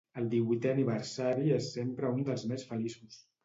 El divuitè aniversari és sempre un dels més feliços.